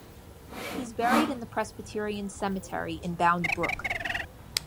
He is buried in the Presbyterian Cemetery in Bound Brook.